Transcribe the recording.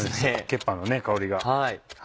ケッパーの香りが。